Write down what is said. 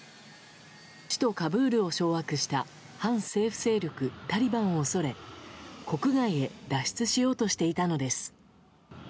首都カブールを掌握した反政府勢力タリバンを恐れ国外へ脱出しようとしていたのです。